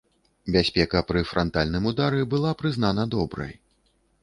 Бяспека пры франтальным удары была прызнана добрай.